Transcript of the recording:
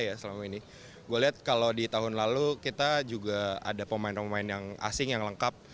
gue selama ini gue lihat kalau di tahun lalu kita juga ada pemain pemain yang asing yang lengkap